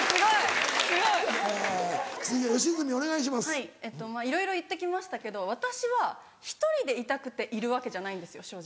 いろいろ言って来ましたけど私は１人でいたくているわけじゃないんですよ正直。